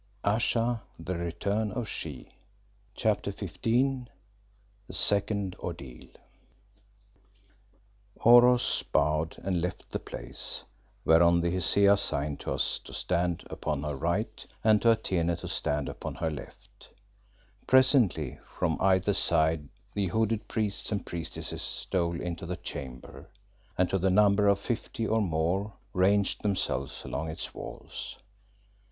"Priest, I say the Court of Death is open." CHAPTER XV THE SECOND ORDEAL Oros bowed and left the place, whereon the Hesea signed to us to stand upon her right and to Atene to stand upon her left. Presently from either side the hooded priests and priestesses stole into the chamber, and to the number of fifty or more ranged themselves along its walls.